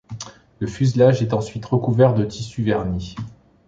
Le fuselage était ensuite recouvert de tissu vernis.